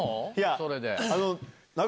それで。